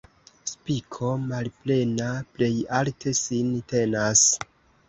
Spiko malplena plej alte sin tenas.